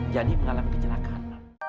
jadi mengalami kecelakaan